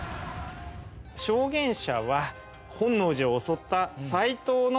証言者は本能寺を襲った斎藤の子供。